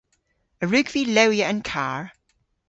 A wrug vy lewya an karr?